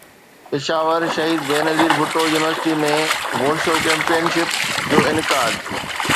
Peshawar Shaheed Benazir Bhutto university ۾ wushu championship جو انعقاد